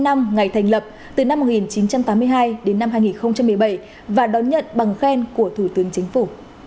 bảy mươi năm năm ngày thành lập từ năm một nghìn chín trăm tám mươi hai đến năm hai nghìn một mươi bảy và đón nhận bằng khen của thủ tướng chính phủ